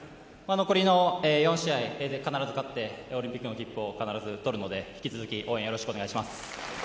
残りの４試合必ず勝ってオリンピックの切符を必ずとるので引き続き応援よろしくお願いします。